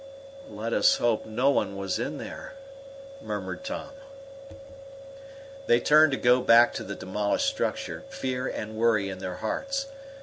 "Let us hope no one was in there," murmured Tom. They turned to go back to the demolished structure, fear and worry in their hearts.